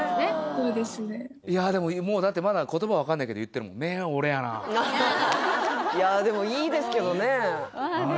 そうですねいやでもだってまだ言葉分かんないけど言ってるもんいやでもいいですけどねああ